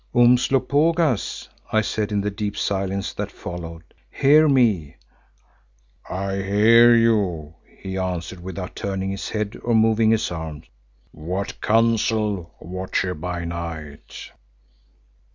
"Umslopogaas," I said in the deep silence that followed, "hear me." "I hear you," he answered without turning his head or moving his arms. "What counsel, Watcher by Night?"